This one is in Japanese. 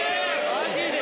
マジで！？